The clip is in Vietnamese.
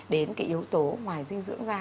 đến cái yếu tố ngoài dinh dưỡng da